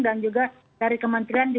dan juga dari kementerian